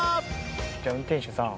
じゃあ運転手さん。